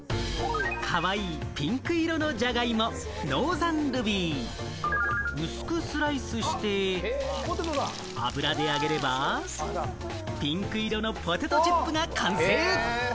かわいいピンク色のジャガイモ、ノーザンルビー。薄くスライスして、油で揚げればピンク色のポテトチップが完成。